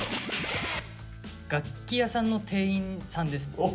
楽器屋さんの店員さんですね。